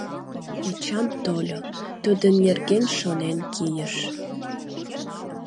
Эчан тольо, тудын нерген шонен кийыш.